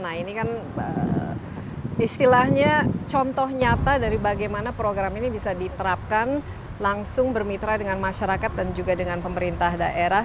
nah ini kan istilahnya contoh nyata dari bagaimana program ini bisa diterapkan langsung bermitra dengan masyarakat dan juga dengan pemerintah daerah